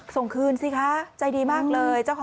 ส่งคืนสิคะใจดีมากเลย